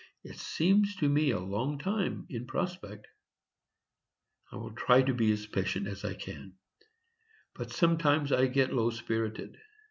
It seems to me a long time in prospect. I try to be as patient as I can, but sometimes I get low spirited.